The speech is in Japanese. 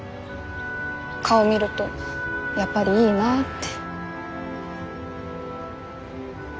顔見るとやっぱりいいなって。